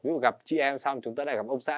ví dụ gặp chị em xong chúng tôi lại gặp ông xã